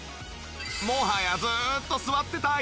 もはやずーっと座っていたい？